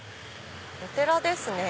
お寺ですね。